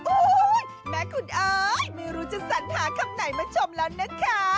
แม่คุณอายไม่รู้จะสัญหาคำไหนมาชมแล้วนะคะ